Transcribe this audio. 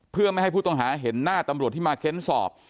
เพื่อไม่ให้ผู้ต้องหาเห็นหน้าตำรวจที่มาเค้นสอบ